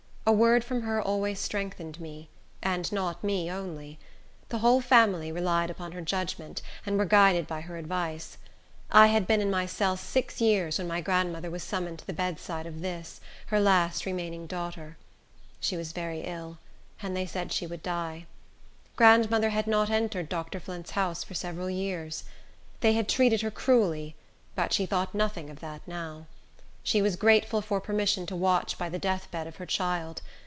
A word from her always strengthened me; and not me only. The whole family relied upon her judgement, and were guided by her advice. I had been in my cell six years when my grandmother was summoned to the bedside of this, her last remaining daughter. She was very ill, and they said she would die. Grandmother had not entered Dr. Flint's house for several years. They had treated her cruelly, but she thought nothing of that now. She was grateful for permission to watch by the death bed of her child.